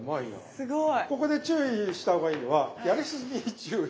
すごい量。